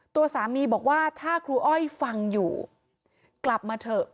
ตัวสามีบอกว่าถ้าครูอ้อยฟังอยู่กลับมาเถอะ